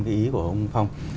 cái ý của ông phong